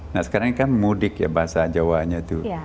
nah sekarang kan mudik ya bahasa jawa nya itu